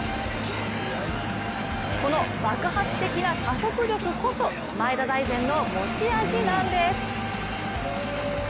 この爆発的な加速力こそ前田大然の持ち味なんです。